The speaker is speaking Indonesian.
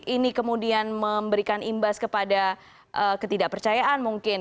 ini kemudian memberikan imbas kepada ketidakpercayaan mungkin